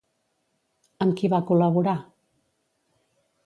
Amb qui va col·laborar?